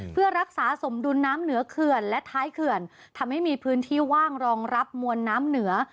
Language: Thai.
เพื่อรักษาสมดุลน้ำเหนือเขื่อนและท้ายเขื่อนทำให้มีพื้นที่ว่างรองรับมวลน้ำเหนือ